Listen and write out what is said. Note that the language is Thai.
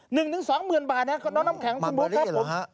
๑๒หมื่นบาทนะครับน้ำแข็งของคุณบุ๊คครับ